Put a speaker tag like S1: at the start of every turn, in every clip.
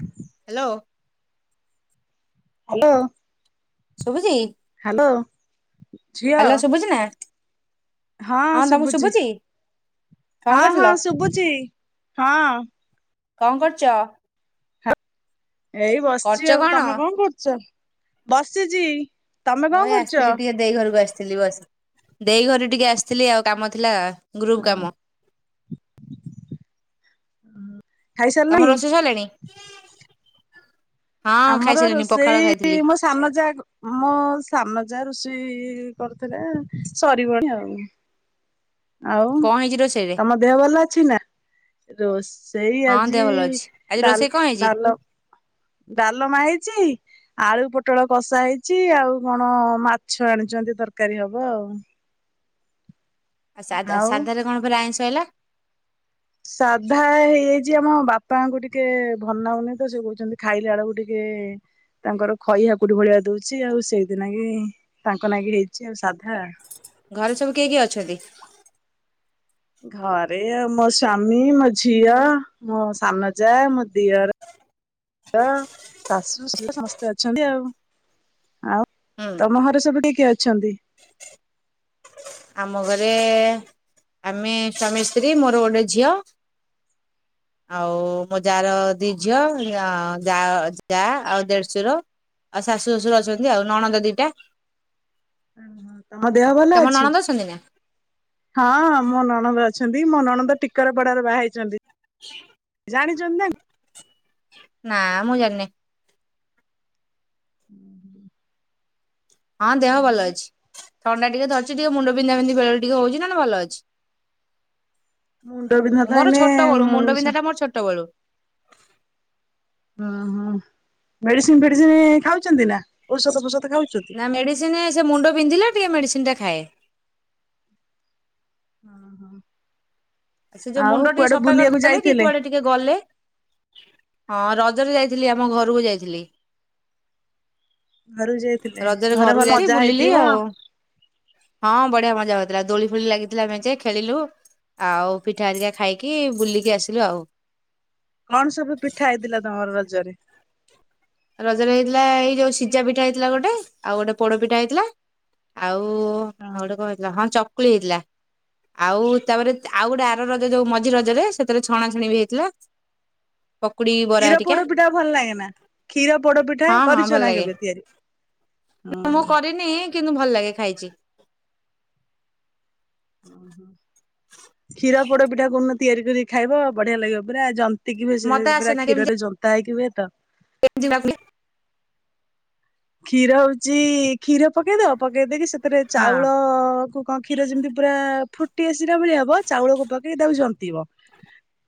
S1: Hood
S2: hello.
S1: Hello.
S2: ଶୁଭୁଛି।
S1: Hello. ଝିଅ
S2: hello ସୁଵୁଚି ନା।
S1: ହଁ
S2: ତମକୁ
S1: ଶୁଵୁଚି।
S2: ଶୁଭୁଛି କଣ
S1: ହଁ
S2: କରୁଥିଲ
S1: ହଁ ଶୁଵୁଚି ହଁ।
S2: କଁ କରଚ
S1: ଏଇ ବସଚି ଆଉ
S2: କଣ
S1: ତମେ କଁ କରଚ ବସିଚି।
S2: ମୁଁ ଏଇ ଆସିଥିଲି ଟିକେ ଦେଇ ଘରକୁ ଆସିଥିଲି ବସ ଦେଇ ଘରୁ ଟିକେ ଆସିଥିଲି ଆଉ କାମ ଥିଲା। ଗ୍ରୁପ୍ କାମ।
S1: ଖାଇସାରିଲଣି
S2: ତମର ରୋଷେଇ ସଇଲାଣି? ହଁ
S1: ଆମର
S2: ଖାଇସାରିଲିଣି ପଖାଳ
S1: ରୋଷେଇ
S2: ଖାଇଥିଲି
S1: ମୋ ସାନ ଯା, କ ମୋ ସାନ ଯା ରୋଷେଇ ଇଇ କରିଥିଲେ। ସିରିବଣି ଆଉ। ଆଉ
S2: କଣ ହେଇଛି ରୋଷେଇରେ?
S1: ତମ ଦେହ ଭଲ ଅଛି ନା? ରୋଷ୍ ଦେଇ
S2: ହଁ ଦେହ
S1: ଆଜି
S2: ଭଲ ଅଛି ଆଜି
S1: ଡାଲ୍
S2: ରୋଷେଇ କଣ ହେଇଛି
S1: ଡାଲ ଡାଲମା ହେଇଚି? ଆଳୁ ପୋଟଳ କଷା ହେଇଚି, ଆଉ କଣ ମାଛ ଆଣିଛନ୍ତି, ତରକାରୀ ହବ ଆଉ।
S2: ସାଧା
S1: ଆଉ
S2: ସାଧାରେ କଣ ଫେର୍ ଆଇଁଷ ହେଲା?
S1: ସାଧା ହେଇଯାଇଛି ଆମ ବାପାଙ୍କୁ ଟିକେ ଭନାଗୁନି ତ ସେ କହୁଛନ୍ତି ଖାଇଲା ବେଳକୁ ଟିକେ ଏ, ତାଙ୍କର ଖଇ ହାକୁଟିି ଭଳିଆ ଦଉଛି। ଆଉ ସେଇତି ନାଗି ଇ କି ତାଙ୍କ ନାଗି ହେଇଛି ଆଉ ସାଧା।
S2: ଘରେ ସବୁ କିଏ କିଏ ଅଛନ୍ତି?
S1: ଘରେ ମୋ ସ୍ବାମୀ ମୋ ଝିଅ ମୋ ସାନ ଯା ମୋ ଦିଅର। ଅ ଶାଶୁଶ୍ରୀ ସମସ୍ତେ ଅଛନ୍ତି ଆଉ। ଆଉ
S2: ହୁଁ
S1: ତମ ଘର ସବୁ ଟି କିଏ କିଏ ଅଛନ୍ତି?
S2: ଆମ ଘରେ ଆମେ ସ୍ୱାମୀ ସ୍ତ୍ରୀ ମୋର ଗୋଟେ ଝିଅ।
S1: ହ।
S2: ଆଉ, ମୋ ଯା ର ଦି ଝିଅ, ଯା, ଯା ଆଉ ଦେଢସୁର। ଆଉ ଶାଶୁ ଶ୍ୱଶୁର ଅଛନ୍ତି। ଆଉ ନଣନ୍ଦ ଦିଟା।
S1: ହ। ହ ତମ ଦେହ ଭଲ
S2: ତମ
S1: ଅଛି?
S2: ନଣନ୍ଦ ଅଛନ୍ତି ନା
S1: ହଁ ମୋ ନଣଦ ଅଛ୍ ଅ ମୋ ନଣନ୍ଦ ଟିକର ପଡାରେ ବାହା ହେଇଛନ୍ତି।
S2: ହ।
S1: ଜାଣିଛନ୍ ନା।
S2: ନା ମୁଁ ଜାଣିନି। ହଁ ଦେହ ଭଲ ଅଛି ଥଣ୍ଡା ଟିକେ ଧରିଛି। ଟିକେ ମୁଣ୍ଡ ବିିନ୍ଧା ବିିନ୍ଧି ବେଳ ଟିକେ ହଉଛି, ନ ନେ ଭଲ ଅଛି।
S1: ମୁଣ୍ଡ ବିିନ୍ଧା ତ
S2: ମୋର ଛୋଟ ବେଳୁ ମୁଣ୍ଡ
S1: ଏଇନେଁ
S2: ବିନ୍ଧା
S1: ସ
S2: ଟା ମୋର ଛୋଟ ବେଳୁ
S1: ଓହୋ! ମେଡିସିନ୍ ଫେଡିସିନ୍ ଖାଉଛନ୍ତି ନା ଔଷଧ ଫଷଧ
S2: ନା ମେଡିସିନ ସେ ମୁଣ୍ଡ ବିନ୍ଧିଲେ, ଟିକେ ମେଡିସିନ ଟା ଖାଏ।
S1: ଅଁ ହୋ।
S2: ସେ ଯୋଉ ମୁଣ୍ଡ ଟିକେ ସଫା କରିଦେଲେ, କି କୁଆଡେ ଟିକେ ଗଲେ। ହଁ ରଜରେ ଯାଇଥିଲି ଆମ ଘରକୁ ଯାଇଥିଲି।
S1: ଘରକୁ ଯାଇଥିଲେ
S2: ରଜରେ
S1: ଘରେ ଭଲ
S2: ଘରକୁ ଯାଇ
S1: ମଜା
S2: ବୁଲିଲି
S1: ହେଇଥିବ
S2: ଆଉ ହଁ ବ ବଢଆ ମଜା ହଉଥିଲା ଦୋଳି ଫୋଳି ଲାଗିଥିଲା ମେଜେ ଖେଳିଲୁ ଆଉ। ପିଠା ଆରିକା ଖାଇକି ବୁଲିକି ଆସିଲୁ ଆଉ।
S1: କଣ ସବୁ ପିଠା ହେଇଥିଲା ତମର ରଜରେ?
S2: ରଜରେ ହେଇଥିଲା ଏଇ ଯୋଉ ସିଝା ପିଠା ହେଇଥିଲା ଗୋଟେ ଆଉ ଗୋଟେ ପୋଡପିଠା ହେଇଥିଲା ଆଉ। ଓ
S1: ହଁ
S2: ଆଉ ଗୋଟେ କ ହେଥିଲା ହଁ ଚକୁଳି ହେଇଥିଲା। ଆଉ ତାପରେ ଆଉ ଗୋଟେ ଆର ରଜ ଯୋଉ ମଝି ରଜରେ ସେଥିରେ ଛଣା ଛଣି ବି ହେଇଥିଲା।
S1: [unintelligible]
S2: ପକୁଡି ବରା
S1: କ୍ଷୀର
S2: ହେରିକା
S1: ପୋଡ ପିଟା ଭଲ ଲାଗେ ନା? କ୍ଷୀର ପୋଡପିଠା
S2: ହଁ ହଁ ଭଲ
S1: କରିଛ ନା
S2: ଲାଗେ
S1: କେବେ ତିଆରି?
S2: ମୁଁ କରିନି କିନ୍ତୁ ଭଲ ଲାଗେ ଖାଇଛି।
S1: [unintelligible] କ୍ଷୀର ପୋ ପିଟା କ ତିଆରି କରି ଖାଇବ ବଢିଆ ଲାଗିବ ପୁରାନ୍ତିିକି
S2: ମତେ ଆସେ
S1: ପୁର
S2: ନା କେମିତି
S1: କ୍ଷୀରରେ ଜନ୍ତା ହେଇକି [unintelligible]
S2: [unintelligible]
S1: କ୍ଷୀର ହଉଛି କ୍ଷୀର ପକେଇଦବ ପକେଇଦକି ସେଥିରେ
S2: ହଁ
S1: ଚାଉଳ କଣ କ୍ଷୀର ଯେମିତି ପୁରା ଫୁଟି ଆସିଲା ଭଳିଆ ବ ଚାଉଳକୁ ପକେଇ ତାକୁ ଜନ୍ତି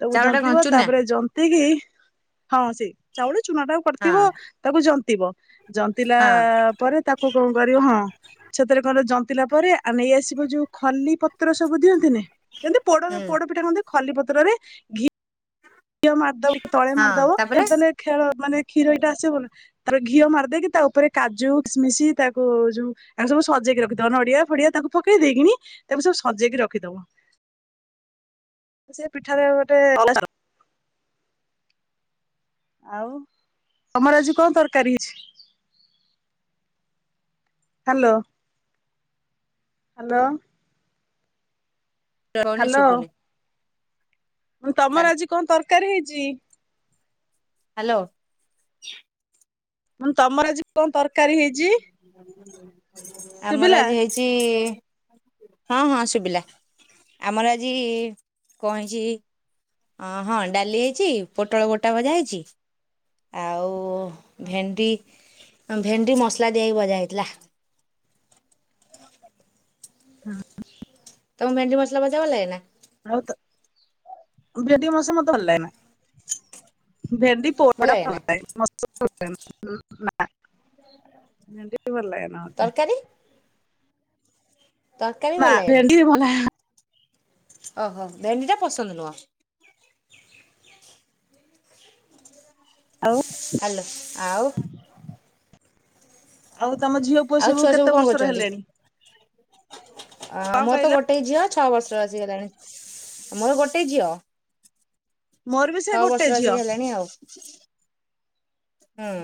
S1: ତାକୁ
S2: ଚାଉଳ ଟା କଣ
S1: ଜନ୍ତିବ
S2: ଚୁନା
S1: ତାପରେ ଜନ୍ତି କିି ହଁ ସେ ଚାଉଳ ଚୁନା ଟାକୁ
S2: ହଁ
S1: କରିଥିବ ତାକୁ ଜନ୍ତିବ ଜନ୍ତଲାା
S2: ହଁ
S1: ପରେ ତାକୁ କଣ କରିବ ହଁ। [unintelligible] ପତ୍ର ସବୁ ଦିଅନ୍ତିନି ଯେମିତି ପୋଡ
S2: ହୁଁ
S1: ପୋଡ ପିଠା ଖଲି ପତ୍ରରେ ଘି କ ମଦ ତଳେ
S2: ହଁ
S1: ମାରଦବ
S2: ତାପରେ
S1: କେ ଖେଳ ମାନେ କ୍ଷୀର ଏଇଟା ଆସିବବ ନା ତାର ଘିଅ ମାରିଦେଇକି ତା ଉପରେ କାଜୁ କିମିଶି ତାକୁ ଯୋଉ ଆଗ ସବୁ ସଜା ଦେଇ ରଖିଦବା ନଡିଆ ଫଡିଆ ତାକୁ ପକେଇ ଦେଇକିନି ତାକୁ ସବୁ ସଜେଇକି ରଖିଦବ। ସେ ପିଠାରେ ଗୋଟେ ଆଉ ତମର ଆଜି କଣ ତରକାରୀ ହେଇଚି? ହ୍ୟାଲୋ। ହ୍ୟାଲୋ।
S2: [unintelligible]
S1: ହ୍ୟାଲୋ
S2: ଶୁଭୁନି।
S1: ତମର ଆଜି କଣ ତରକାରୀ ହେଇଚି?
S2: ହ୍ୟାଲୋ
S1: ତମର ଆଜି କଣ ତରକାରୀ ହେଇଚି?
S2: ଆମର ଆଜି ହେଇଚି ହଁ ହଁ ଶୁଭିଲା ଆମର ଆଜି କଣ ହେଇଚି ଅ ହଁ ଡାଲି ହେଇଚି ପୋଟଳ ଗୋଟା ଭଜା ହେଇଚି ଆଉ ଭେଣ୍ଡି, ଭେଣ୍ଡି ମସଲା ଦିଆ ହେଇକି ଭଜା ହେଇଥିଲା।
S1: ହଁ।
S2: ତମକୁ ଭେଣ୍ଡି ମସଲା ଭଜା ଭଲ ଲାଗେ ନା।
S1: ଆଉ ତ ଭେଣ୍ଡି ମସଲା ମତେ ଭଲ ଲାଗେନା। ଭେଣ୍ଡି ପୋଡ଼ା ଭଲ ଲାଗେ, ମସଲା ଭଲ ଲାଗେନା ଭେଣ୍ଡି ଭଲ ଲାଗେନା ମତେ।
S2: ତରକାରୀ ତରକାରୀ
S1: ମା
S2: ଭଲ ଲାଗେ ନା
S1: ଭେଣ୍ଡିରେ ଭଲ
S2: ଓହୋ ଭେଣ୍ଡି ଟା ପସନ୍ଦ ନୁହଁ?
S1: ଆଉ
S2: ହ୍ୟାଲୋ ଆଉ।
S1: ହଉ।
S2: ଆଉ ଛୁଆ ସବୁ କଣ କରୁଛନ୍ତି? ଅ
S1: କଣ
S2: ମୋର ତ
S1: କହିଲ?
S2: ଗୋଟେ ଝିଅ। ଛଅ ବର୍ଷ ଆସିଗଲାଣି ମୋର ଗୋଟେ ଝିଅ।
S1: ମୋର ବି ସେ
S2: ଛଅ
S1: ଗୋଟେ
S2: ବର୍ଷର
S1: ଝିଅ।
S2: ଆସିକି ହେଲାଣି ଆଉ। ହୁଁ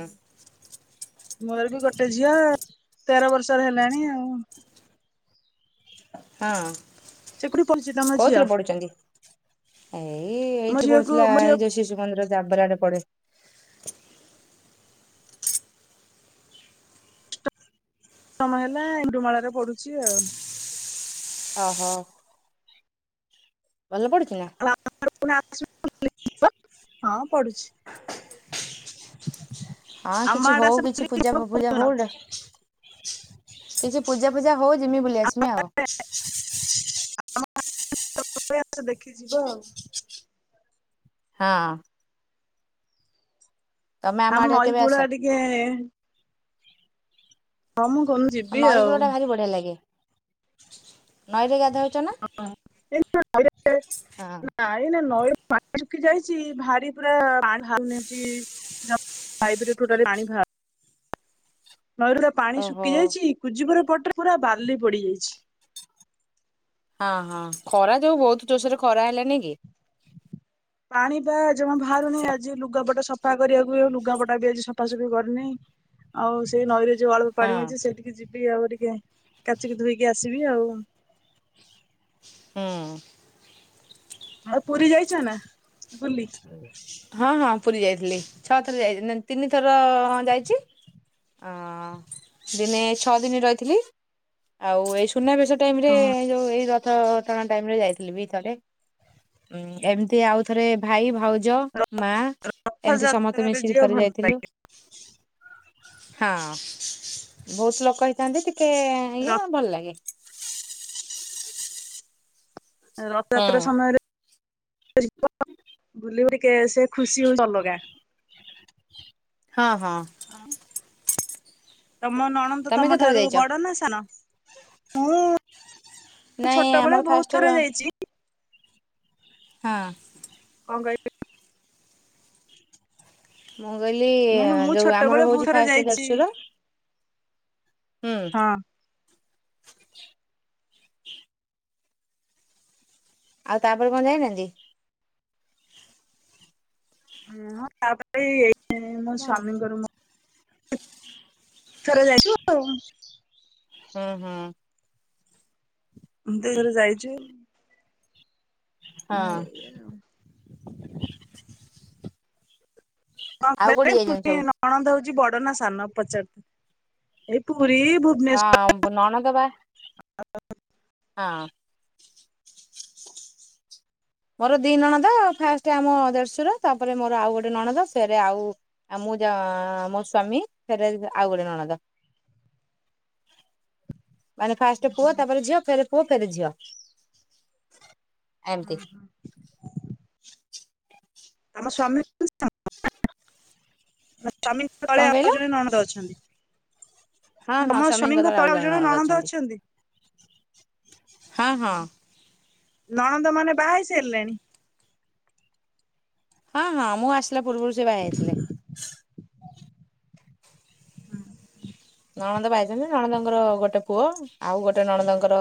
S1: ମୋର ବି ଗୋଟେ ଝିଅ ତେର ବର୍ଷ ତରେ ଲେଣ ଆଉ ।
S2: ହଁ। କୋଉଥିରେ ପଢୁଛନ୍ତି?
S1: [unintelligible]
S2: ଏଇ
S1: ମୋ
S2: ଏଇଠି
S1: ଝିଅକୁ
S2: ପଡୁଥିଲା
S1: ମୋ ଝିଅ
S2: ଏଇ ଯୋଉ ଶିଶୁ ମନ୍ଦିର ଯାବେରା ଆଡେ ପଡି ଥିଲା।
S1: ସପ୍ତମ ହେଲା ଏଣ୍ଡୁମାଳାରେ ପଡୁଛି ଆଉ।
S2: ଓ ହୋ। ଭଲ ପଡ଼ୁଛି ନା?
S1: ହଁ ପଢୁଛି।
S2: ହଁ
S1: ଆମ
S2: କିଛି
S1: ଆଡେ ଆସ
S2: ହଉ କିଛି ପୂଜା ପୂଜା
S1: ବୁଲୁନ
S2: ହଉଟ କିଛି ପୂଜା ଫୂଜା ହଉ ଯିମି ବୁଲି ଆସମି ଆଉ।
S1: [unintelligible]
S2: ହଁ। ତମେ
S1: ଆମ
S2: ଆଡେ
S1: ନଈ
S2: କେବେ
S1: କୂଡ
S2: ଆସ
S1: ଟିକେ ଆମ [unintelligible]
S2: ଉ ନଈ କୂଳ ଟା ଭାରି ବଢିଆ ଲାଗେ ନଈରେ ଗାଧେ
S1: ହଁ ଇନ [unintelligible]
S2: ହଁ।
S1: ହ ପାଣି ଶୁକି ଯାଇଛି ଭାରି ପୁରା ପାଣି ନେଇଛି। ପାଇପରେ ଟୋଟାଲି ପାଣି ବାହାରୁନି। ନଈରୁ ପୁରା ପାଣି
S2: ଓହୋ।
S1: ଶୁଖି ଯାଇଛି [unintelligible] ପଟରେ ପୁରା ବାଲି ପଡିଯାଇଛି।
S2: ହ ହଁ ଖରା ଯୋଉ ବହୁତ ଜୋରସୋରେ ଖରା ହେଲାନି କି?
S1: ପାଣି ବା ଜମା ବାହାରୁନି ଆଜି ଲୁଗାପଟା ସଫା କରିବାକୁ ଆଉ ଲୁଗାପଟା ବି ଆଜି ସଫାସଫି କରିନେଇ। ଆଉ ସେଇ ନଈରେ ଯୋଉ ଆଳୁ ପାଣି ଅଛି
S2: ହଁ
S1: ସେଠିକି ଯିବି ଆହୁରି ଜ୍ଞା କାଚିକି ଧୋଇକି ଆସିବି ଆଉ।
S2: ହୁଁ।
S1: ଆଉ ପୁରୀ ଯାଇଛ ନା ବୁଲି।
S2: ହଁ ହଁ ପୁରୀ ଯାଇଥିଲି ଛଅ ଥର ଯାଇ ତିନି ଥର ହଁ ଯାଇଚି। ଅ ଦିନେ ଛଅ ଦିନ ରହିଥିଲି । ଆଉ ଏଇ ସୁନାବେଶ ଟାଇମ ରେ
S1: ହଁ।
S2: ଯୋଉ ଏଇ ରଥ ଟଣା ଟାଇମରେ ଯାଇଥିଲି ବି ଥରେ । ହଁ ଏମିତି ଆଉ ଥରେ ଭାଇ ଭାଉଜ ମା ଏମିତି ସମସ୍ତେ
S1: ରଥଯାତ୍ରାରେ
S2: ମିଶିକି
S1: ଝିଅ
S2: ଥରେ
S1: ଭଲ
S2: ଯାଇଥିଲୁ
S1: ଲାଗେ।
S2: । ହଁ ବହୁତ ଲୋକ ହେଇଥାନ୍ତି ଟିକେ
S1: ର
S2: ଇଏ ଭଲ ଲାଗେ । ହୁଁ।
S1: ରଥଯାତ୍ରା ସମୟରେ ଯିବ ବୁଲିବ ସେ ଖୁସି ହୋଉଛି ଅଲଗା ।
S2: ହଁ ହଁ
S1: ତମ ନଣନ୍ଦ
S2: ତମେ
S1: ତମ
S2: କେତେଥର
S1: ଠାରୁ
S2: ଯାଇଛ?
S1: ବଡ଼ ନା ସାନ। ମୁ
S2: ନାଇଁ ଆମର
S1: ଛୋଟବେେଳେ
S2: ଫାଷ୍ଟ
S1: ବହୁତ ଥରେ ଯାଇଛି ।
S2: ହଁ
S1: କଣ କହିଲେ ।
S2: ମୁଁ କହିଲି
S1: ମୁଁ କହିଲି ମୁଁ
S2: ଯେଉଁ ଆମର
S1: ଛୋଟବେଳେ ବହୁତ
S2: ହେଉଛି
S1: ଥର
S2: ଫାଷ୍ଟ
S1: ଯାଇଛି
S2: ଦେଢ଼ଶୁର ହୁଁ
S1: ହଁ
S2: ଆଉ ତାପରେ କଣ ଯାଇନାହାନ୍ତି ।
S1: ହଁଁ ତାପରେ ଏଇ ମୋ
S2: ହୁଁ
S1: ସ୍ଵାମୀଙ୍କର ଥର ଯାଇଛୁ ।
S2: ହୁଁ ହଁ
S1: ଦୁଇ ଥର ଯାଇଚୁ । ହଁଇ କଣ
S2: ଆଉ କୋଉଠି
S1: କହିଲେ
S2: ଯାଇଛନ୍ତି
S1: ପୁଣି
S2: ସବୁ?
S1: ନଣନ୍ଦଉଛି ବଡ ନା ସାନ ପଚାର ଏ
S2: ହଁ ନଣନ୍ଦ ପା ହଁ । ମୋର ଦି ନଣଦା ଫାଷ୍ଟ ଆମ ଦେଢଶୁର ତାପରେ ମୋର ଆଉ ଗୋଟେ ନଣଦ ସେଏବେ ଆଉ ଆ ମୁଁ ଯ ମୋ ସ୍ଵାମୀ ଫେରେ ଆଉ ଗୋଟେ ନଣଦ ।
S1: [inaudible]
S2: ମାନେ ଫାଷ୍ଟ ପୁଅ ତାପରେ ଝିଅ ଫେର୍ ପୁଅ ଫେର୍ ଝିଅ ଏମିତି ।
S1: ଆମ ସ୍ୱାମୀ ସ୍ୱାମୀଙ୍କ
S2: କଣ
S1: ତଳେ
S2: କହିଲ?
S1: ଆଉ ଜଣେ ନନ୍ଦଦ ଅଛନ୍ତି । ତମ ସ୍ୱାମୀଙ୍କ ତଳେ ଆଉ ଜଣେ ନନନ୍ଦ ଅଛନ୍ତି ।
S2: ହଁ ହଁ
S1: ନଣନ୍ଦ ମାନେ ବାହେଇ ସାରିଲେଣି ।
S2: ହଁ ହଁ ମୁଁ ଆସିଲା ପୂର୍ବରୁ ସେ ବାହା ହେଇ ଯାଇଥିଲେ । ନଣନ୍ଦ ପାଇଛନ୍ତି ନଣନ୍ଦଙ୍କର ଗୋଟେ ପୁଅ ଆଉ ଗୋଟେ ନଣନ୍ଦଙ୍କର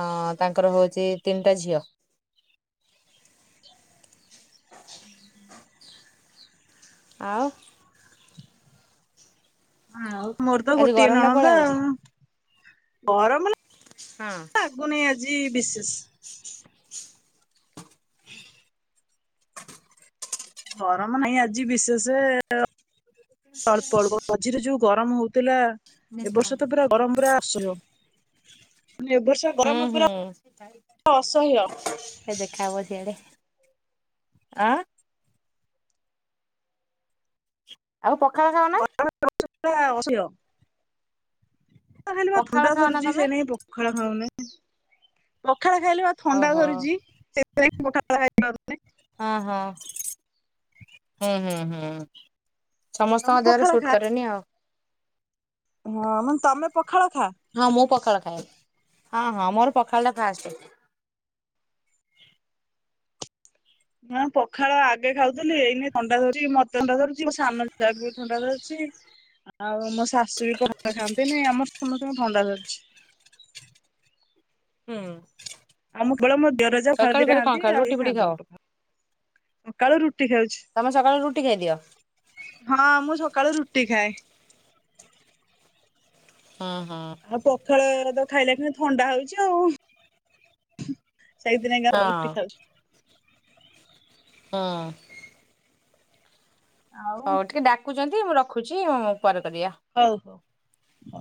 S2: ଅଁ ତାଙ୍କର ହଉଛି ତିନିଟା ଝିଅ ।
S1: [inaudible]
S2: ଆଉ
S1: ହଁ ମୋର୍ତ
S2: ଆଜି
S1: ଗୋଟିଏ
S2: ଗରମ ଟା କୁଆଡେ
S1: ନଣନ୍ଦ
S2: ହଉଛି?
S1: ଆଉ ଗରମ
S2: ହଁ
S1: ଜି ବିସେସ୍। ଗରମ ନାହିଁ ଆଜି ବିଶେଷେ ଅଳ୍ପ ଅଳ୍ପ ମଝିରେ ଯୋଉ ଗରମ ହଉଥିଲା ଏ ବର୍ଷ ତ ପୁରା ଗରମ ପୁରା ଅସହ୍ୟ ।
S2: ହୁଁ
S1: ପୁରା
S2: ହୁଁ ସେ
S1: ଅସହ୍ୟ
S2: ଦେଖା ହେବ ସିଆଡ଼େ। ଆ ଆଉ ପଖାଳ ଖାାଉନା ।
S1: [unintelligible] ଖାଇ ବା
S2: ପଖାଳ
S1: ଥଣ୍ଡା
S2: ଖାଅ ନା
S1: ଧଥରୁଛି
S2: ତମେ?
S1: ସେ ନାଗି ପଖାଳା ଖାଉନି । ପଖାଳ ଖାଇଲେ ବା ଥଣ୍ଡା
S2: ଓହୋ
S1: ଧରୁଚି। ସେଇଥିପାଇଁ ପଖାଳ ଖାଇ ପାରୁନି।
S2: ଓଃ! ହୁଁ, ହୁଁ, ହୁଁ,
S1: ତମେ
S2: ସମସ୍ତଙ୍କ ଦେହରେ
S1: ପଖାଳ
S2: ସୁଟ୍
S1: ଖା
S2: କରେନି ଆଉ।
S1: ହଁ ମାନେ ତୋମେ ପ
S2: ହଁ ମୁଁ ପଖାଳ ଖାଏ। ହଁ ହଁ ମୋର ପଖାଳ ଟା ଫାଷ୍ଟ।
S1: ନା ପଖାଳ ଆଗେ ଖାଉଥିଲି। ଏଇନି ଥଣ୍ଡା ଧରୁଚି। ମୋତେ ଥଣ୍ଡା ଧରୁଚି। ମୋ ସାନ ଯାକୁ ବି ଥଣ୍ଡା ଧରୁ ଚି, ଆଉ ମୋ ଶାଶୁ ବି ପଖାଳ ଖାଆନ୍ତିନି। ଆମର ସମସ୍ତଙ୍କୁ ଥଣ୍ଡା ଧରିଛି। [unintelligible]
S2: ହୁଁ।
S1: ଆଉ ମ କେବଳ ମୋ ଦେରଜ [unintelligible]
S2: ସକାଳୁ
S1: ଦିଟା
S2: ଫେରେ କଣ
S1: ଖାଆନ୍ତି
S2: ଖାଅ
S1: ଆଉ କେଇ
S2: ରୁଟି ଫୁଟି
S1: ଖାଆନ୍ତିନି
S2: ଖାଅ
S1: ପଖାଳ। ସକାଳୁ ରୁଟି ଖାଉଛି।
S2: ତମେ ସକାଳୁ ରୁଟି ଖାଇଦିଅ
S1: ହଁ ମୁଁ ସକାଳୁ ରୁ ଟି ଖାଏ।
S2: ହୁଁ ହୁଁ
S1: ଆଉ ପଖାଳ ତ ଖାଇଲା ଖିଣି ଥଣ୍ଡା ହଉଛି ଆଉ। ସେଇ ଦିନ
S2: ହଁ।
S1: [inaudible] ରୁଟି ଖାାଉଛୁ।
S2: ହଁ।
S1: ଆଉ
S2: ହଉ ଟିକେ ଡାକୁଚନ୍ତି ମୁଁ ରଖୁଚି। ଉଁ, ପରେ କରିବା।
S1: ହୋ।